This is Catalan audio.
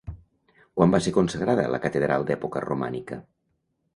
Quan va ser consagrada la catedral d'època romànica?